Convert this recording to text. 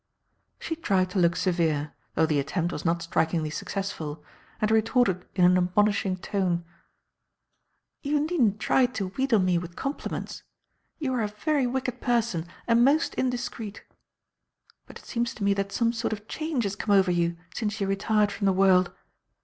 She tried to look severe, though the attempt was not strikingly successful, and retorted in an admonishing tone: "You needn't try to wheedle me with compliments. You are a very wicked person and most indiscreet. But it seems to me that some sort of change has come over you since you retired from the world.